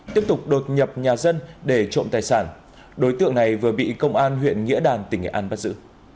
tiếp tục đột nhập nhà dân để trộm tài sản đối tượng này vừa bị công an huyện nghĩa đàn tỉnh nghệ an bắt giữ